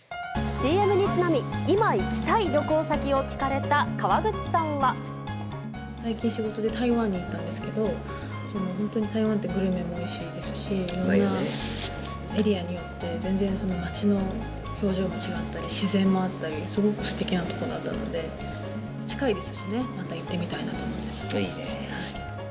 ＣＭにちなみ、今、行きたい最近仕事で、台湾に行ったんですけど、本当に台湾ってグルメもおいしいですし、いろんなエリアによって、全然街の表情も違ったり、自然もあったり、すごくすてきな所だったので、近いですしね、いいねー。